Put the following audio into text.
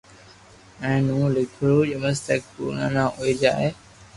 ھين ھون ليکون جيس تڪ پورا نہ ھوئي جائي